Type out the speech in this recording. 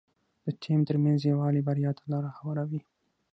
د ټيم ترمنځ یووالی بریا ته لاره هواروي.